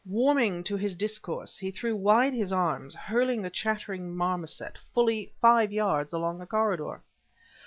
Warming to his discourse, he threw wide his arms, hurling the chattering marmoset fully five yards along the corridor.